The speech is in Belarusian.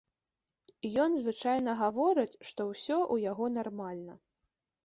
Ён звычайна гаворыць, што ўсё ў яго нармальна.